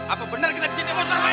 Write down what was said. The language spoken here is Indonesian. apa bener kita disini demonstran bayaran